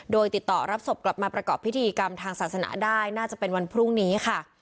โดยติดต่อรับศพกลับมาประกอบพิธีกรรมทางศาสนาได้น่าจะเป็นวันพรุ่งนี้ค่ะ